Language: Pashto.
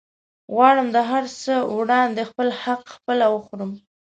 غواړم د هرڅه وړاندې خپل حق خپله وخورم